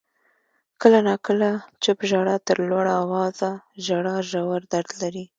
• کله ناکله چپ ژړا تر لوړ آوازه ژړا ژور درد لري.